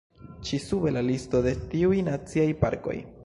Ĉi sube la listo de tiuj naciaj parkoj.